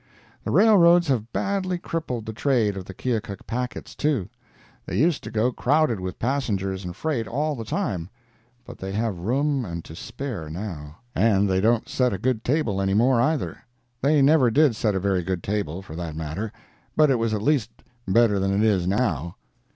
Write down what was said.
The railroads have badly crippled the trade of the Keokuk packets, too. They used to go crowded with passengers and freight all the time, but they have room and to spare now. And they don't set a good table any more, either. They never did set a very good table, for that matter, but it was at least better than it is now.